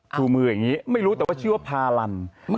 คู่มือแบบนี้ไม่รู้แต่ชื่อว่าพารัญ